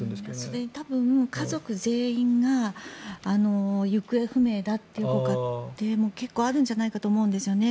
それに多分、家族全員が行方不明だっていうご家庭も結構あるんじゃないかと思うんですね。